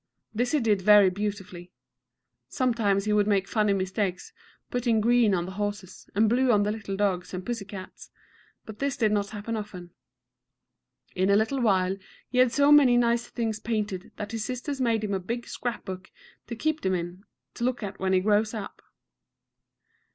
This he did very beautifully. Sometimes he would make funny mistakes, putting green on the horses, and blue on the little dogs and pussy cats, but this did not happen often. In a little while he had so many nice things painted that his sisters made him a big scrap book to keep them in, to look at when he grows up.